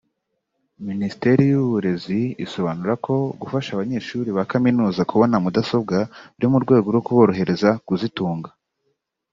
Minisiteri y’Uburezi isobanura ko gufasha abanyeshuri ba Kaminuza kubona mudasobwa biri mu rwego rwo kuborohereza kuzitunga